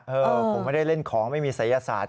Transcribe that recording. ผมไม่ได้เล่นของไม่มีศัยศาสตร์